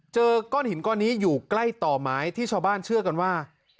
เจอก้อนหินก้อนนี้อยู่ใกล้ต่อไม้ที่ชาวบ้านเชื่อกันว่า